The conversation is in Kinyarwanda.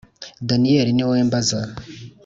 … daniel niwowe mbaza!